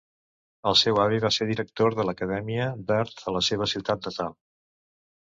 El seu avi va ser director de l'Acadèmia d'Art a la seva ciutat natal.